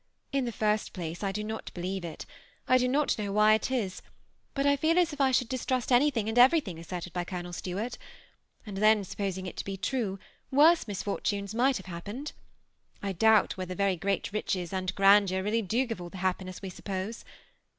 " In the first place, I do not believe it I do not know why it is, but I feel as if I should distrust anything and everything asserted by Colonel Stuart ; and then, sap posing it to be true, worse misfortunes might hare happened. I doubt whether very great riches and grandeur really do give all the happiness we suppose.